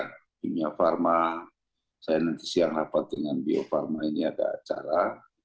di dunia farma saya nanti siang rapat dengan bio farma ini ada acara